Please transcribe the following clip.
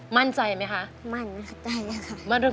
พร้อมแล้วค่ะ